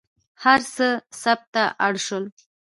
هر څه ثبت ته اړ شول.